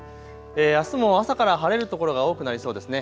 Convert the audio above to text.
あすも朝から晴れる所が多くなりそうですね。